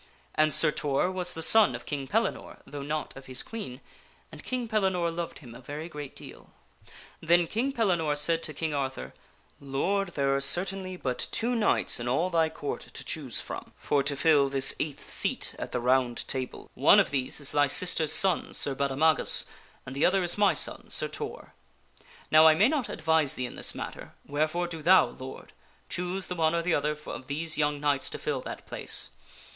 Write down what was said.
And Sir Tor was a son of King Pellinore (though not of his Queen), and King Pellinore loved him a very great deal. Then King Pellinore said to King Arthur, " Lord, there are certainly but two knights in all thy Court to choose from for to fill this eighth seat at the Round Table : one of these is thy sister's son, Sir Baudemagus, and the other is my son, Sir Tor. Now I may not advise thee in this matter, wherefore do thou, Lord, choose the one or the other of these young knights to fill that place.